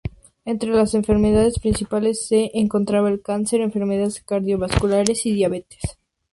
Entre las enfermedades principales se encontraban el cáncer, enfermedades cardiovasculares y diabetes.